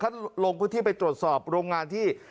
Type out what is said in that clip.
เขาต้องลงพื้นที่ไปตรวจสอบรองงานที่